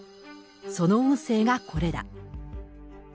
その音声がこれだ。